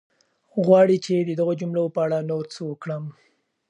غواړې چې د دغو جملو په اړه نور څه وکړم؟